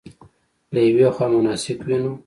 له یوې خوا مناسک وینو.